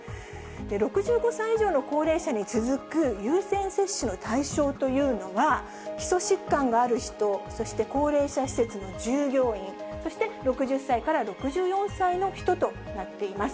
６５歳以上の高齢者に続く優先接種の対象というのは、基礎疾患がある人、そして高齢者施設の従業員、そして６０歳から６４歳の人となっています。